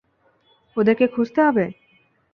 ওদেরকে খুঁজতে হবে?